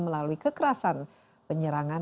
melalui kekerasan penyerangan